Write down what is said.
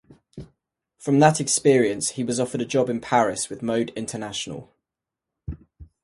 From that experience he was offered a job in Paris with Mode International.